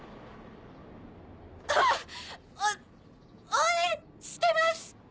おお応援してます！